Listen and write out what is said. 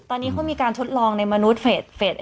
ตอนนี้เขามีการทดลองในมนุษย์เฟส๑